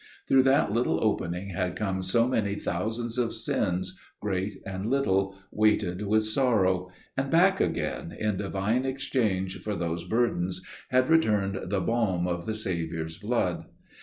Through that little opening had come so many thousands of sins, great and little, weighted with sorrow; and back again, in Divine exchange for those burdens, had returned the balm of the Saviour's blood.